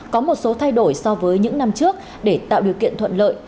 có một số thay đổi so với những năm trước để tạo điều kiện thuận lợi